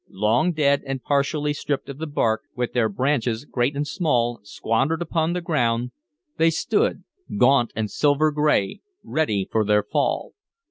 Long dead, and partially stripped of the bark, with their branches, great and small, squandered upon the ground, they stood, gaunt and silver gray, ready for their fall.